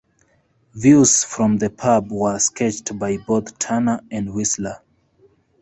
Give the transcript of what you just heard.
Views from the pub were sketched by both Turner and Whistler.